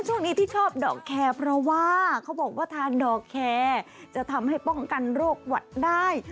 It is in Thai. ช่วงนี้ที่ชอบดอกแคร์เพราะว่าเขาบอกว่าทานดอกแคร์จะทำให้ป้องกันโรคหวัดได้